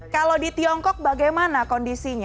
kalau di tiongkok bagaimana kondisinya